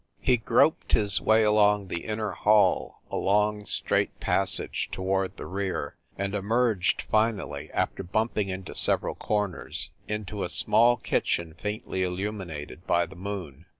He groped his way along the inner, hall, a long, straight passage toward the rear; and emerged, finally, after bumping into several corners, into a small kitchen faintly illuminated by the moon.